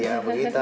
iya begitu bu